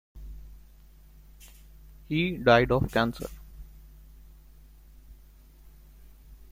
He died of cancer.